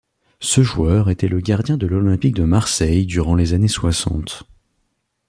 Ce joueur était le gardien de l’Olympique de Marseille durant les années soixante.